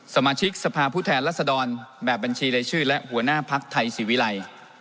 สมาชิกสภาพผู้แทนรัศดรแบบบัญชีรายชื่อและหัวหน้าภักดิ์ไทยศิวิรัย